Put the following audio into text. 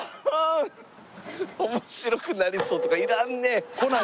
「面白くなりそう」とかいらんねん。